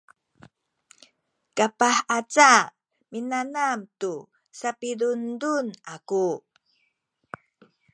kapah aca minanam tu sapidundun aku